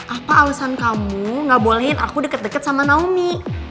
apa alasan kamu gak bolehin aku deket deket sama naomi